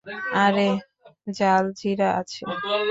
আরে, জালজিরা আছে?